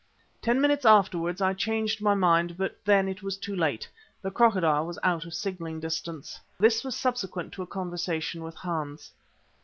Ten minutes afterwards I changed my mind, but then it was too late; the Crocodile was out of signalling distance. This was subsequent to a conversation with Hans.